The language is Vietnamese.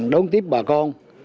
đón tiếp bà con